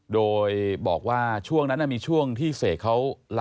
โดยบอกว่าช่วงนั้นมีช่วงที่เสกเขา